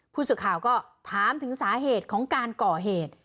ผู้สื่อข่าวก็ถามถึงสาเหตุของการก่อเหตุ